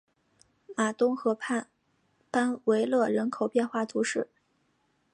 马东河畔班维勒人口变化图示